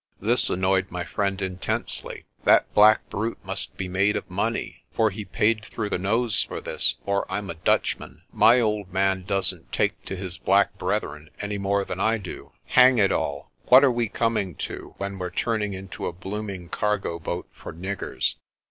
This an noyed my friend intensely. "That black brute must be made of money, for he paid 38 PRESTER JOHN through the nose for this, or I'm a Dutchman. My old man doesn't take to his black brethren any more than I do. Hang it all, what are we coming to, when we're turning into a blooming cargo boat for niggers?